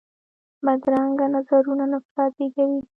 بدرنګه نظرونه نفرت زېږوي